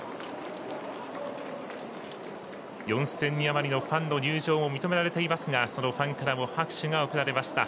４０００人余りのファンの入場も認められていますがそのファンからも拍手が送られました。